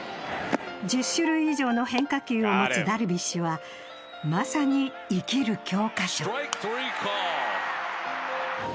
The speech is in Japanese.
１０種類以上の変化球を持つダルビッシュはまさに生きる教科書。